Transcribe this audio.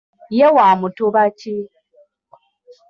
Ye wa mu Mutuba ki?